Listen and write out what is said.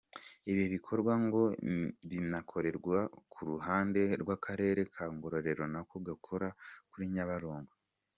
Ibi bikorwa ngo binakorerwa ku ruhande rw’Akarere ka Ngororero nako gakora kuri Nyabarongo.